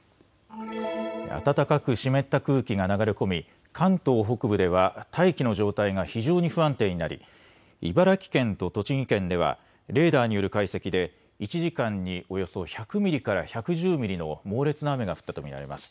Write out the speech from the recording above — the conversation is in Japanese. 暖かく湿った空気が流れ込み関東北部では大気の状態が非常に不安定になり茨城県と栃木県ではレーダーによる解析で１時間におよそ１００ミリから１１０ミリの猛烈な雨が降ったと見られます。